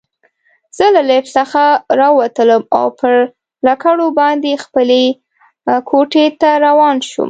زه له لفټ څخه راووتلم او پر لکړو باندې خپلې کوټې ته روان شوم.